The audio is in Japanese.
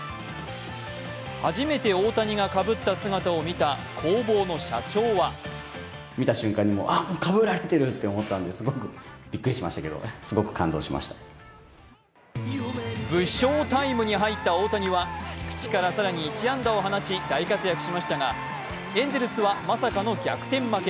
初めて大谷がかぶった姿を見た工房の社長は武将タイムに入った大谷は菊池から更に１安打を放ち大活躍しましたが、エンゼルスはまさかの逆転負け。